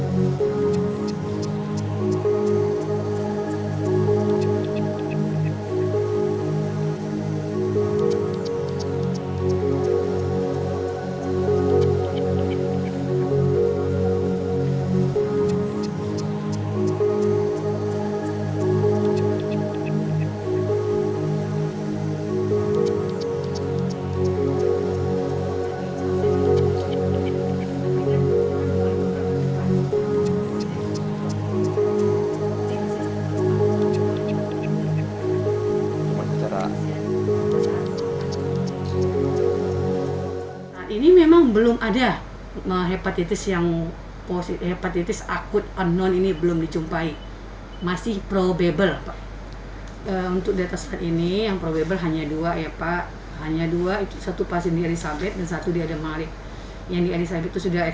jangan lupa like share dan subscribe ya